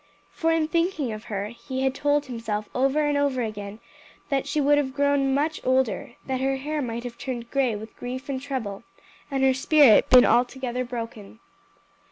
For in thinking of her he had told himself over and over again that she would have grown much older, that her hair might have turned gray with grief and trouble, and her spirit been altogether broken.